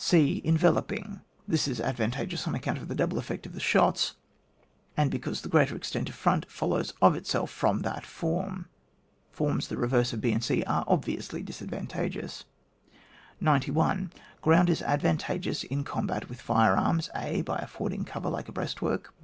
c. Enveloping. This is advantageous on account of the double effect of the shots, and because the greater extent of front follows of itself from that form. Forms the reverse of b and c are ob viously disadvantageous. 91. Ground is advantageous in com bat with fire arms— a. By affording cover like a breastwork.